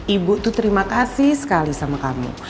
ibu itu terima kasih sekali sama kamu